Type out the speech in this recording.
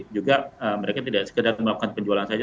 juga mereka tidak sekedar melakukan penjualan saja